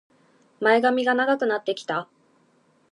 前髪が長くなってきた